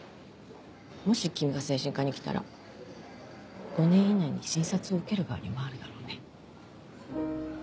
もし君が精神科に来たら５年以内に診察を受ける側に回るだろうね。